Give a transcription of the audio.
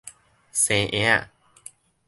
生嬰仔